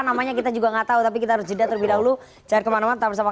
namanya kita juga enggak tahu tapi kita harus juga terlebih dahulu cari kemana mana bersama